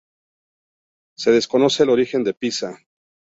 Se desconoce el origen de Pisa.